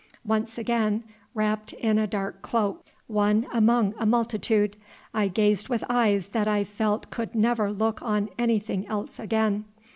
Once again wrapped in a dark cloak, one among a multitude, I gazed with eyes that I felt could never look on anything else again.